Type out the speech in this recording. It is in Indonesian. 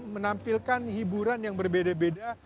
menampilkan hiburan yang berbeda beda